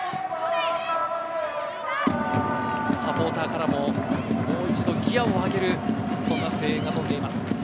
サポーターからももう一度ギアを上げるそんな声援がとんでいます。